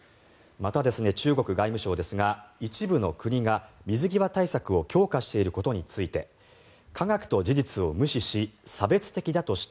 また、中国外務省ですが一部の国が水際対策を強化していることについて科学と事実を無視し差別的だとして